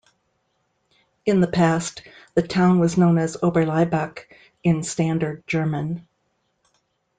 In the past, the town was known as "Oberlaibach" in standard German.